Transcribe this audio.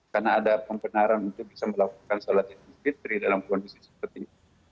karena ada pembenaran untuk bisa melakukan sholat idul fitri dalam kondisi seperti itu